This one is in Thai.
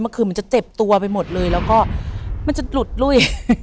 คืนมันจะเจ็บตัวไปหมดเลยแล้วก็มันจะหลุดลุ้ย